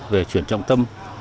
về chuyển trọng tâm